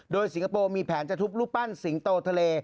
โดยสิงคโปร์มีแผนจะทุบรูปปั้นสิงโตทะเล